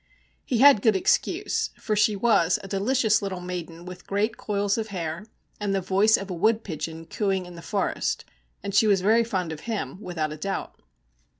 He had good excuse, for she was a delicious little maiden with great coils of hair, and the voice of a wood pigeon cooing in the forest, and she was very fond of him, without a doubt.